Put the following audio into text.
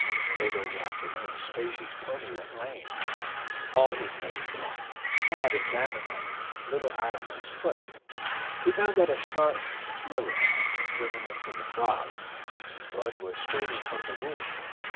Late in the afternoon Stacy's pony went lame, and a halt was made while Tad examined the little animal's foot. He found that a sharp sliver had been driven into the frog. Blood was streaming from the wound.